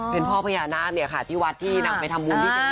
เป็นพ่อพญานาคต์เนี่ยค่ะที่วัดที่นางไปทำบุญ๒๐ใบ